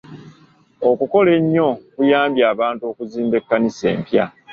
Okukola ennyo kuyambye abantu okuzimba ekkanisa empya.